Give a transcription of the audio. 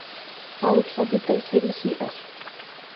А упщӏэ дыдэр сэри сиӏэщ.